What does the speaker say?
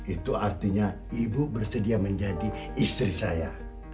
itu artinya ibu bersedia menjadi istri saya